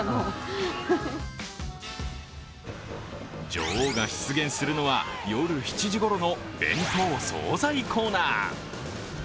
女王が出現するのは夜７時ごろの弁当・総菜コーナー。